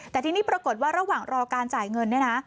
แต่ทีนี้ปรากฏว่าระหว่างรอการจ่ายเงินเนี่ยนะ